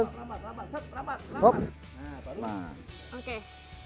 set rapat rapat